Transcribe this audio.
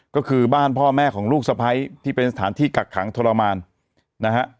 ก็คือบ้านพ่อแม่ของลูกสะพ้ายที่เป็นสถานที่กักขังทรมานนะฮะ